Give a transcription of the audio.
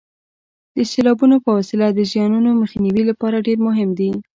د سیلابونو په وسیله د زیانونو مخنیوي لپاره ډېر مهم دي.